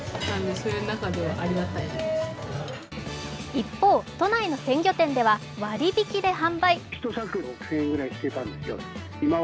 一方、都内の鮮魚店では割引で販売。